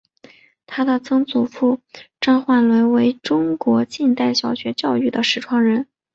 她的曾祖父张焕纶为中国近代小学教育的创始人。